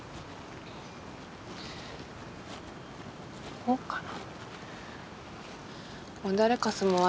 ここかな。